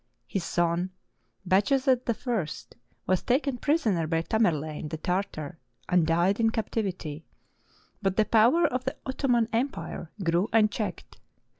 His son, Bajazet I, was taken prisoner by Tamerlane the Tartar and died in captivity, but the power of the Ottoman Empire grew unchecked.